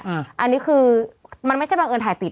อันนี้คือมันไม่ใช่บังเอิญถ่ายติด